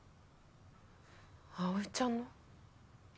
葵ちゃんの？